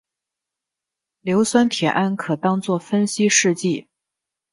硫酸铁铵可当作分析试剂。